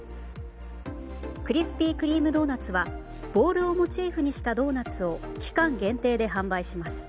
クリスピー・クリーム・ドーナツはボールをモチーフにしたドーナツを期間限定で販売します。